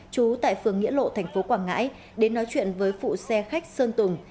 trú tại phường nghĩa lộ thành phố quảng ngãi đến nói chuyện với phụ xe khách sơn tùng